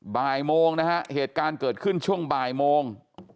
บ่ายโมงนะฮะเหตุการณ์เกิดขึ้นช่วงบ่ายโมง